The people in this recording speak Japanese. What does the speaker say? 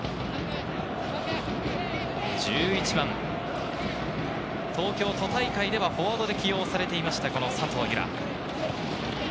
１１番、東京都大会ではフォワードで起用されていました佐藤由空。